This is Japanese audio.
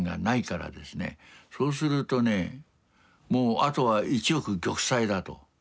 そうするとねもうあとは一億玉砕だと。